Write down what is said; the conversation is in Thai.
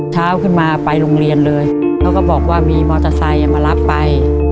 เช้าขึ้นมาไปโรงเรียนเลยเขาก็บอกว่ามีมอเตอร์ไซค์มารับไป